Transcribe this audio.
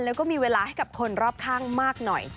แล้วก็มีเวลาให้กับคนรอบข้างมากหน่อย